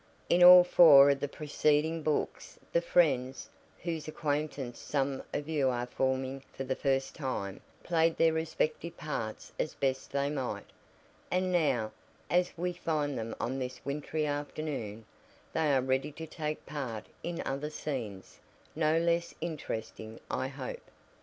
In all four of the preceding books the friends, whose acquaintance some of you are forming for the first time, played their respective parts as best they might, and now, as we find them on this wintry afternoon, they are ready to take part in other scenes, no less interesting, I hope.